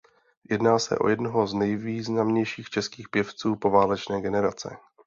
Jedná se o jednoho z nejvýznamnějších českých pěvců poválečné generace.